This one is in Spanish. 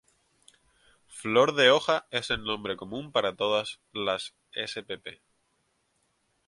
Flor de hoja es el nombre común para todas las spp.